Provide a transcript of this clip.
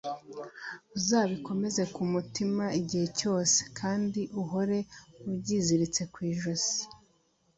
uzabikomeze ku mutima igihe cyose, kandi uhore ubyiziritse ku ijosi